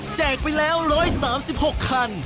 ไปแล้ว๑๓๖คัน